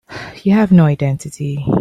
You have no identity.